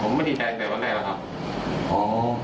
ผมไม่แทงแต่วันใดแล้วค่ะ